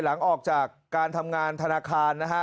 หลังจากการทำงานธนาคารนะฮะ